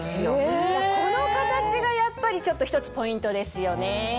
この形がやっぱり一つポイントですよね。